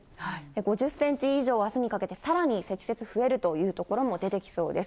５０センチ以上、あすにかけてさらに積雪増えるという所も出てきそうです。